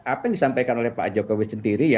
apa yang disampaikan oleh pak jokowi sendiri